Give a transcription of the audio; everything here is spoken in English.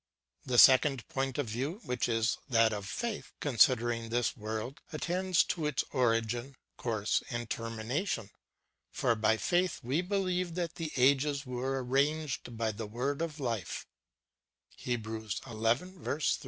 The second ])oint of view, which is that of faith, considering this world, attends to its origin, course, and termination. For by faith we believe that the ages were arranged by the Word of Life ;^ Sirach, xxiv, 2(>. ^ Wisdom, xiii, 5. ^ Heb. xi, 3.